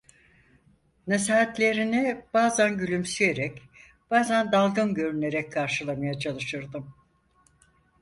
Nasihatlerini bazan gülümseyerek, bazan dalgın görünerek karşılamaya çalışırdım.